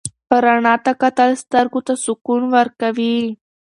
رڼا ته کتل سترګو ته سکون ورکوي.